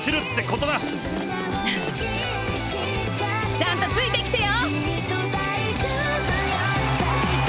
ちゃんとついて来てよ！